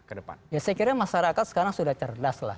saya kira masyarakat sekarang sudah cerdas lah